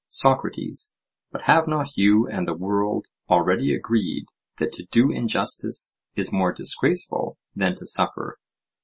SOCRATES: But have not you and the world already agreed that to do injustice is more disgraceful than to suffer?